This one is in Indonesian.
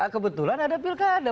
kebetulan ada pilkada